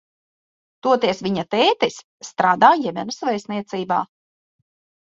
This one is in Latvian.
Toties viņa tētis strādā Jemenas vēstniecībā.